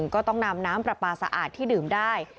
ก็ต้องนำน้ำปลาปลาสะอาดที่ดื่มได้